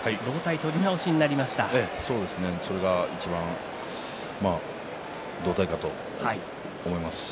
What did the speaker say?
それがいちばん同体かと思います。